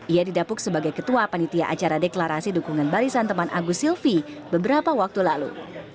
ia didapuk sebagai ketua panitia acara deklarasi dukungan barisan teman agus silvi beberapa waktu lalu